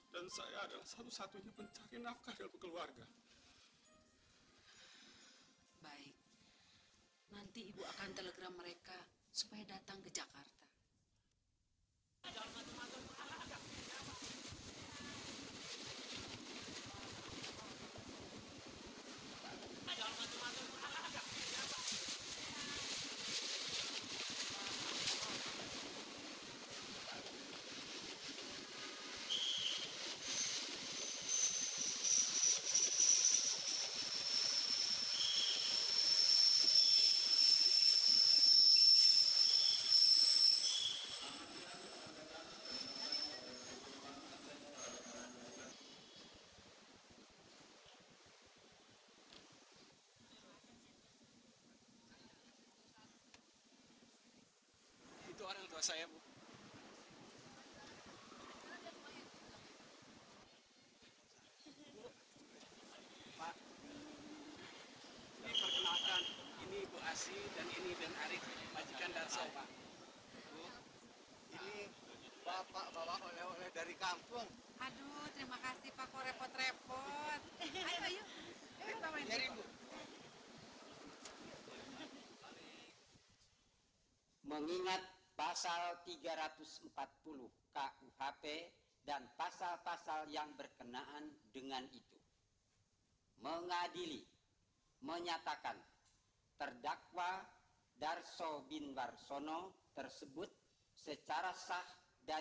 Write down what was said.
dan saya adalah satu satunya pencari nafkah dalam keluarga